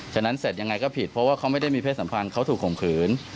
นั้นเสร็จยังไงก็ผิดเพราะว่าเขาไม่ได้มีเพศสัมพันธ์เขาถูกข่มขืน